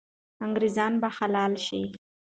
انګریزان به حلال سي.